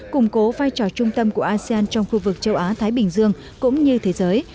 củng cố vai trò trung tâm của asean trong khu vực châu á thái bình dương cũng như thế giới